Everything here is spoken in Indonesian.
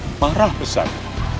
kami sudah pulang